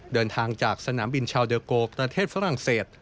เดินทางจากสนามบินชาวเดอร์โกประเทศฝรั่งเศส